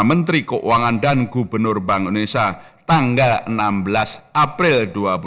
menteri keuangan dan gubernur bank indonesia tanggal enam belas april dua ribu dua puluh